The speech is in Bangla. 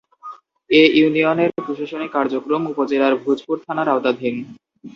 এ ইউনিয়নের প্রশাসনিক কার্যক্রম উপজেলার ভূজপুর থানার আওতাধীন।